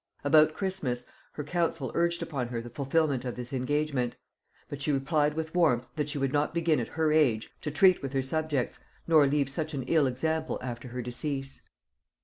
About Christmas her council urged upon her the fulfilment of this engagement; but she replied with warmth, that she would not begin at her age to treat with her subjects, nor leave such an ill example after her decease. [Note 143: Carte.